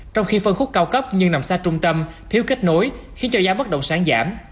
trong khi phân khúc cao cấp nhưng nằm xa trung tâm thiếu kết nối khiến cho giá bất động sản giảm